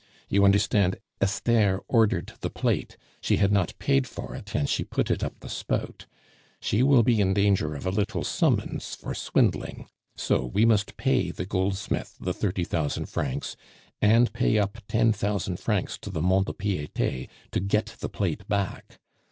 You understand, Esther ordered the plate; she had not paid for it, and she put it up the spout. She will be in danger of a little summons for swindling. So we must pay the goldsmith the thirty thousand francs, and pay up ten thousand francs to the Mont de Piete to get the plate back.